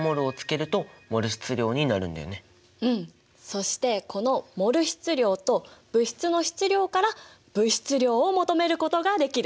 そしてこのモル質量と物質の質量から物質量を求めることができる！